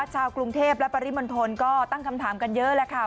ชาวกรุงเทพและปริมณฑลก็ตั้งคำถามกันเยอะแหละค่ะ